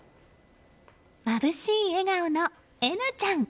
まぶしい笑顔の咲凪ちゃん。